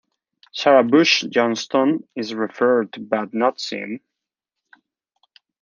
Sarah Bush Johnston is referred to but not seen.